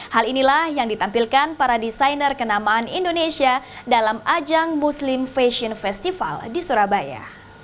hal inilah yang ditampilkan para desainer kenamaan indonesia dalam ajang muslim fashion festival di surabaya